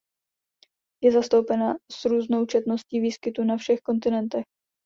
Je zastoupena s různou četností výskytu na všech kontinentech.